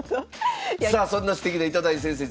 さあそんなすてきな糸谷先生